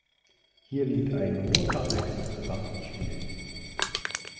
Hier liegt ein großer Reiz des gesamten Spiels.